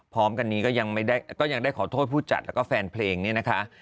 พร้อมกันนี้ก็ยังได้ขอโทษผู้จัดแล้วก็แฟนเพลงเนี่ยนะคะ